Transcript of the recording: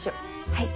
はい。